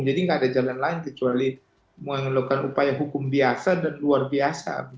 jadi gak ada jalan lain kecuali melakukan upaya hukum biasa dan luar biasa